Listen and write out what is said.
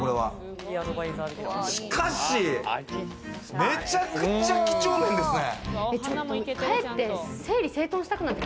しかしめちゃくちゃ几帳面ですね。